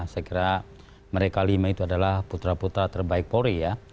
saya kira mereka lima itu adalah putra putra terbaik polri ya